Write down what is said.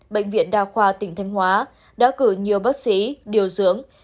bệnh viện đa khoa tỉnh thanh hóa đã cử nhiều bác sĩ điều dưỡng